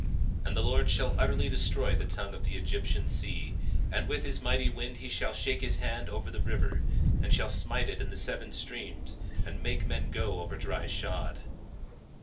21:15 And the Lord shall utterly destroy the tongue of the Egyptian sea; and with his mighty wind he shall shake his hand over the river, and shall smite it in the seven streams, and make men go over dry shod.